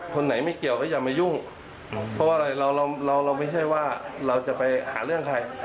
คนไหนไม่เกี่ยวก็อย่ามายุ่งเพราะว่าอะไรเราเราไม่ใช่ว่าเราจะไปหาเรื่องใคร